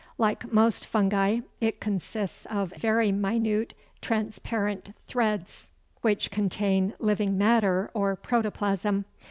Like most fungi, it consists of very minute transparent threads which contain living matter or protoplasm.